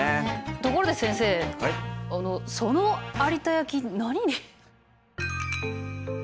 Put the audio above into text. ところで先生あのその有田焼何入れる？